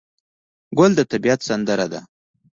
ګل د طبیعت سندره ده.